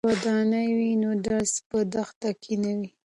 که ودانۍ وي نو درس په دښته نه وي.